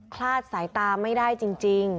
คลาดสายตาไม่ได้จริง